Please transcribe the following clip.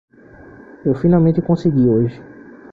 Eu finalmente consegui hoje.